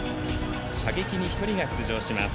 射撃に１人が出場します。